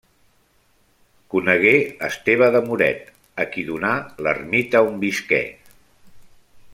Conegué Esteve de Muret, a qui donà l'ermita on visqué.